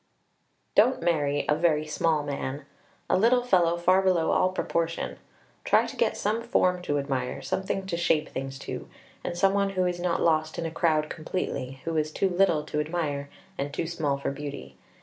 Don't marry a very small man a little fellow far below all proportion; try to get some form to admire, something to shape things to, and some one who is not lost in a crowd completely, who is too little to admire and too small for beauty.